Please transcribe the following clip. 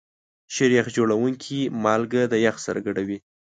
شیریخ جوړونکي مالګه د یخ سره ګډوي.